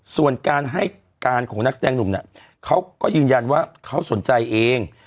ส่วนการให้การของนักแสดงหนุ่มเนี่ยเขาก็ยืนยันว่าเขาสนใจเอง